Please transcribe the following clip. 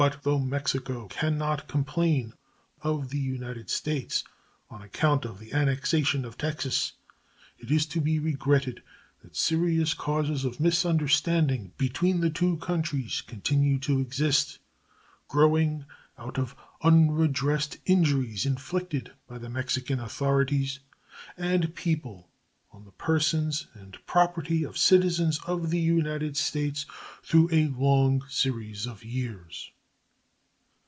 But though Mexico can not complain of the United States on account of the annexation of Texas, it is to be regretted that serious causes of misunderstanding between the two countries continue to exist, growing out of unredressed injuries inflicted by the Mexican authorities and people on the persons and property of citizens of the United States through a long series of years.